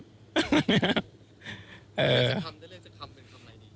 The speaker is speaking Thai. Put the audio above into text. แล้วเรื่องจะทำเป็นคำอะไรดี